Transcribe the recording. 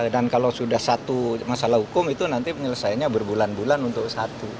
dan kalau sudah satu masalah hukum itu nanti penyelesaiannya berbulan bulan untuk satu